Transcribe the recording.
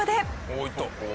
おっいった！